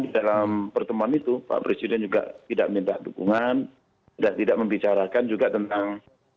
dalam pertemuan itu pak presiden juga tidak minta dukungan dan tidak membicarakan juga tentang